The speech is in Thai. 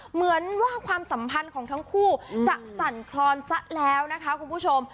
เหมือนว่าความสัมพันธ์ของทั้งคู่จะสั่นคลอนซะแล้วนะคะคุณผู้ชม